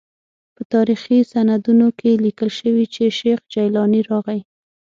په تاریخي سندونو کې لیکل شوي چې شیخ جیلاني راغی.